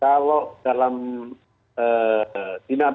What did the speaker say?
kalau dalam dinamikasi